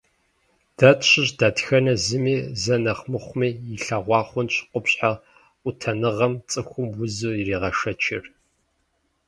Дэ тщыщ дэтхэнэ зыми зэ нэхъ мыхъуми илъэгъуа хъунщ къупщхьэ къутэныгъэм цӏыхум узу иригъэшэчыр.